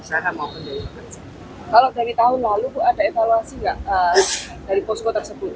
kalau dari tahun lalu bu ada evaluasi nggak dari posko tersebut